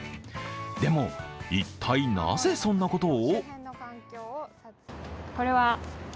でも一体なぜそんなことを？